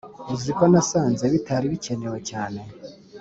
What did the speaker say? uziko nasanze bitari bikenewe cyane